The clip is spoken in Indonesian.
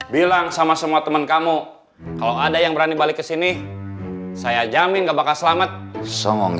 bilang sama semua teman kamu kalau ada yang berani balik ke sini saya jamin gak bakal selamat songong